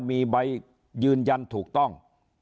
มีใบยืนยันถูกต้อง